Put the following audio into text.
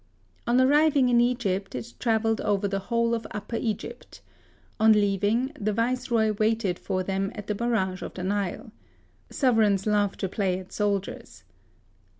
On arriving in Egypt, it trav elled over the whole of Upper Egypt. On leaving, the Viceroy waited for them at the barrage of the Nile. Sovereigns love to play at soldiers.